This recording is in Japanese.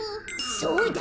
そうだ！